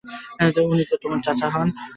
উনি তোমার চাচা হন।